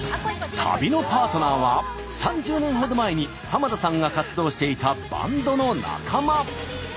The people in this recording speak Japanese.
旅のパートナーは３０年ほど前に濱田さんが活動していたバンドの仲間。